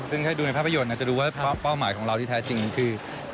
ซึ่งถ้าดูในภาพยนตร์จะรู้ว่าเป้าหมายของเราที่แท้จริงคือ